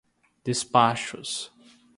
despachos